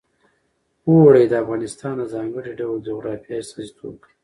اوړي د افغانستان د ځانګړي ډول جغرافیه استازیتوب کوي.